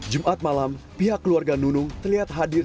jumat malam pihak keluarga nunung terlihat hadir